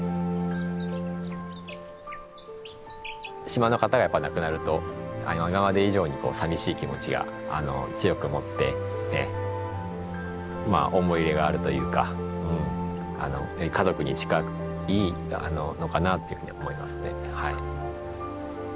島の方がやっぱり亡くなると今まで以上に寂しい気持ちが強く思ってまあ思い入れがあるというか家族に近いのかなというふうに思いますねはい。